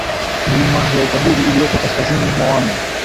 Milima ya Ukaguru iliyopo Kaskazini mwa Wami